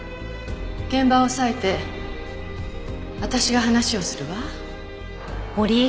現場を押さえて私が話をするわ。